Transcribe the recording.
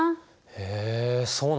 へえそうなんだ。